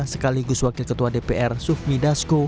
sekaligus wakil ketua dpr sufmi dasko